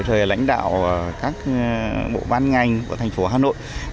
rồi lãnh đạo các bộ ban ngành của thành phố hà nội